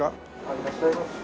いらっしゃいますね。